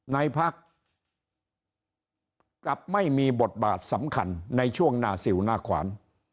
ในพักกลับไม่มีบทบาทสำคัญในช่วงหน้าสิวหน้าขวาน